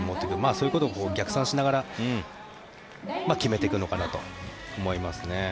そういうことを逆算しながら決めていくのかなと思いますね。